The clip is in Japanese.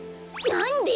なんで！